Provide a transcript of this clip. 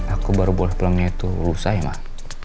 aku baru boleh pulangnya itu rusak ya mak